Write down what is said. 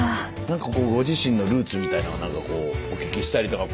何かこうご自身のルーツみたいなのは何かこうお聞きしたりとか。